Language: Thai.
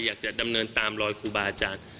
อยากจะดำเนินตามรอยครูบาอาจารย์